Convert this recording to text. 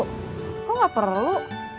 kok gak perlu